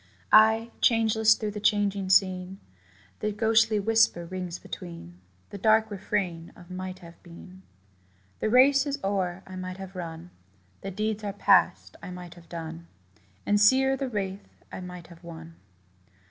Ay, changeless through the changing scene, The ghostly whisper rings between, The dark refrain of 'might have been.' The race is o'er I might have run: The deeds are past I might have done; And sere the wreath I might have won.